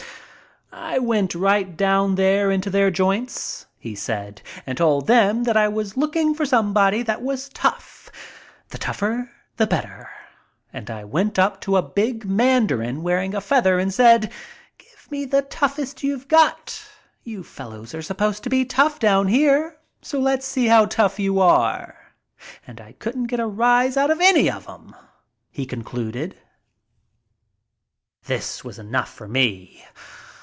"I went right down there into their joints," he said, "and told them that I was looking for somebody that was tough, the tougher the better, and I went up to a big mandarin wearing a feather and said: 'Give me the toughest you've got. You fellows are supposed to be tough down here, so let's see how tough you are.' And I couldn't get a rise out of any of them," he concluded. This was enough for me.